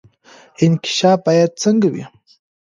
انکشاف باید څنګه وي؟